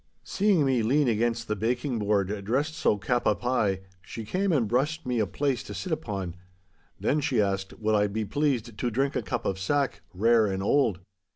Seeing me lean against the baking board, dressed so cap à pie, she came and brushed me a place to sit upon. Then she asked, 'Would I be pleased to drink a cup of sack—rare and old?